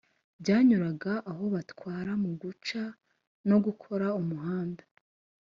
byanyuraga aho batwara mu guca no gukora umuhanda